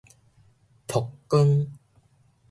曝光